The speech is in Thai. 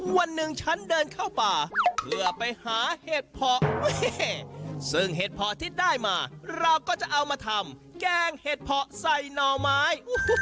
วันหนึ่งฉันเดินเข้าป่าเพื่อไปหาเห็ดเพาะซึ่งเห็ดเพาะที่ได้มาเราก็จะเอามาทำแกงเห็ดเพาะใส่หน่อไม้